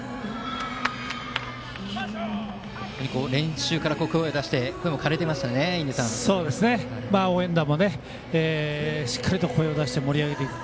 練習から声を出していて応援団もしっかり声を出して盛り上げていく。